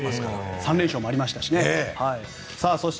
３連勝もありましたし。